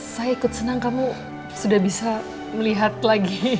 saya ikut senang kamu sudah bisa melihat lagi